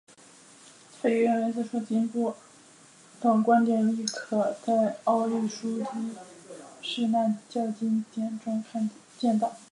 他亦认为自说经部份观点亦可在奥义书及耆那教经典中见到。